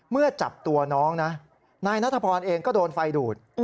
เมื่อจับตัวน้องนะนายนัทพรเองก็โดนไฟดูด